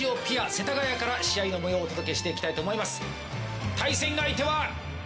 世田谷から試合の模様をお届けしていきたいと思います。